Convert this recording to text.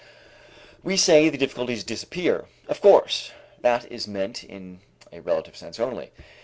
We say the difficulties disappear. Of course, that is meant in a relative sense only.